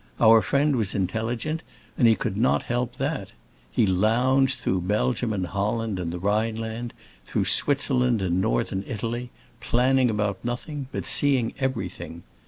Our friend was intelligent, and he could not help that. He lounged through Belgium and Holland and the Rhineland, through Switzerland and Northern Italy, planning about nothing, but seeing everything.